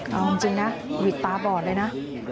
เอาจริงนะหวิดตาบอดเลยนะ